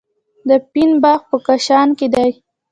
د فین باغ په کاشان کې دی.